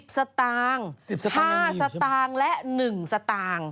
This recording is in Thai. สตางค์๑๕สตางค์และ๑สตางค์